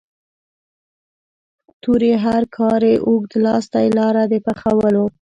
تورې هرکارې اوږد لاستی لاره د پخولو.